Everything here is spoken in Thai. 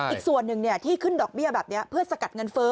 อีกส่วนหนึ่งที่ขึ้นดอกเบี้ยแบบนี้เพื่อสกัดเงินเฟ้อ